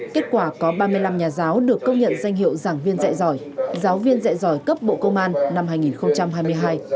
kết quả có ba mươi năm nhà giáo được công nhận danh hiệu giảng viên dạy giỏi giáo viên dạy giỏi cấp bộ công an năm hai nghìn hai mươi hai